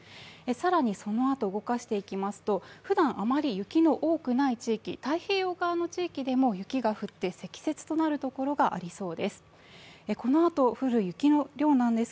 更にそのあと動かしていきますと、ふだんあまり雪の多くない地域、太平洋側の地域でも雪が降って積雪となる所がありそうです。